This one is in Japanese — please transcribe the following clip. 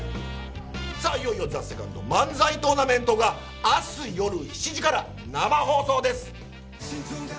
さあ、いよいよＴＨＥＳＥＣＯＮＤ漫才トーナメントが明日夜７時から生放送です。